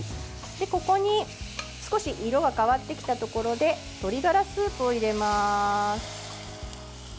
ここに、少し色が変わってきたところで鶏ガラスープを入れます。